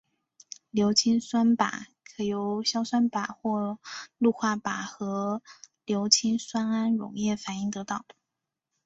硫氰酸钯可由硝酸钯或氯化钯和硫氰酸铵溶液反应得到。